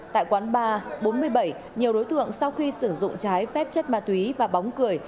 tại quán ba bốn mươi bảy nhiều đối tượng sau khi sử dụng trái phép chất ma túy và bóng cười